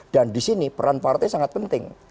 dan di sini peran partai sangat penting